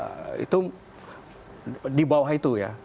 tapi itu juga di bawah itu ya